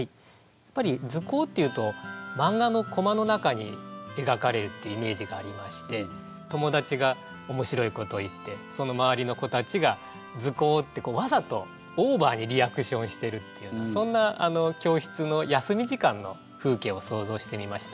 やっぱり「ズコー」っていうと漫画のコマの中に描かれるっていうイメージがありまして友達が面白いことを言ってその周りの子たちが「ズコー」ってわざとオーバーにリアクションしてるっていうようなそんな教室の休み時間の風景を想像してみました。